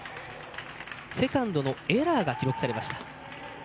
セカンドのエラーが記録されました。